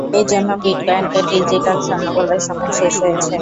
এজন্য বিটকয়েনকে ডিজিটাল স্বর্ণ বলার সময় শেষ হচ্ছে।